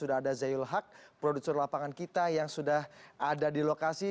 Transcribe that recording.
sudah ada zayul haq produser lapangan kita yang sudah ada di lokasi